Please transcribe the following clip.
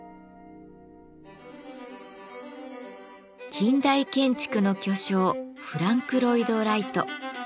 近代建築の巨匠フランク・ロイド・ライト。